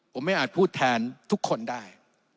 ผมไม่อาจพูดแทนทุกคนได้